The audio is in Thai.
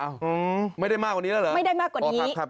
อืมไม่ได้มากกว่านี้แล้วเหรอไม่ได้มากกว่านี้ครับ